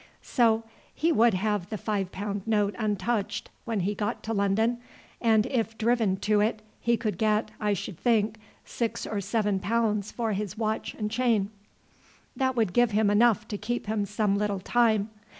So he would have the five pound note untouched when he got to London, and if driven to it he could get, I should think, six or seven pounds for his watch and chain." "That would give him enough to keep him some little time.